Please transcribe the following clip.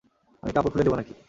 আমি কাপড় খুলে দেব নাকি?